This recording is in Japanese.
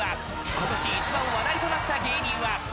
今年１番話題となった芸人は？